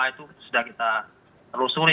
itu sudah kita rusuri